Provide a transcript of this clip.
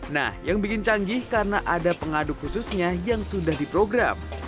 nah yang bikin canggih karena ada pengaduk khususnya yang sudah diprogram